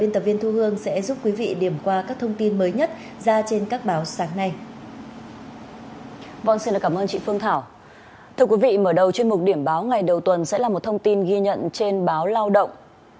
thưa quý vị mở đầu chuyên mục điểm báo ngày đầu tuần sẽ là một thông tin ghi nhận trên báo lao động